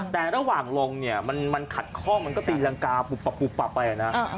แต่ระหว่างลงเนี่ยมันขัดข้องมันก็ตีรังกาปุ๊บปับไปนะ